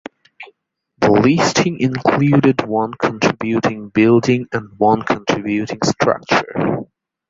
The listing included one contributing building and one contributing structure.